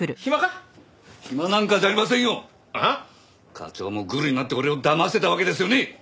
課長もグルになって俺をだましてたわけですよね！？